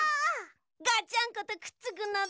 ガチャンコとくっつくのだ！